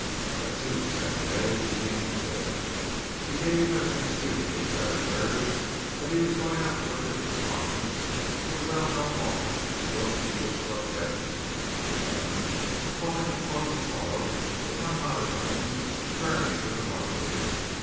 At two the same day Eugene was there. He gave as an excuse to his secretary that he was going out for a business conference with a well known author whose book he wished to obtain, and, calling a closed auto, but one not his own, journeyed to the rendezvous.